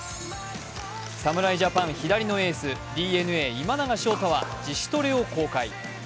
侍ジャパン左のエース、ＤｅＮＡ・今永昇太は自主トレを公開。